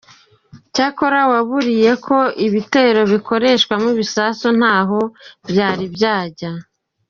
Cyakora waburiye ko ibitero bikoreshwamo ibisasu ntaho byari byajya.